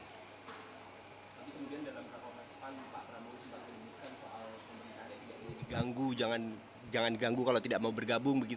tapi kemudian dalam kemampuan sepanjang pak prabowo sempat menunjukkan soal kemudian ada yang tidak ingin diganggu jangan diganggu kalau tidak mau bergabung